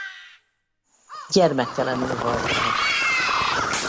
Gyermektelenül halt meg.